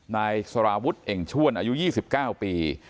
นายสารวุฒิเอ่งชวนอายุ๒๙ปี